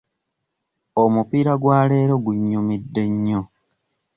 Omupiira gwa leero gunnyumidde nnyo.